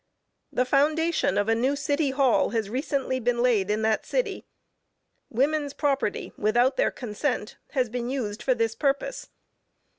The foundation of a new city hall has recently been laid in that city. Women's property, without their consent, has been used for this purpose.